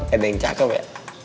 ada yang cakep ya